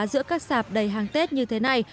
giữa các sạp đầy hàng tết như thế này